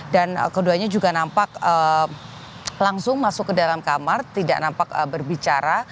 dan keduanya juga nampak langsung masuk ke dalam kamar tidak nampak berbicara